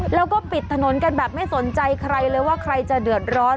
แล้วก็ปิดถนนกันแบบไม่สนใจใครเลยว่าใครจะเดือดร้อน